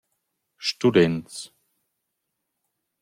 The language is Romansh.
Students.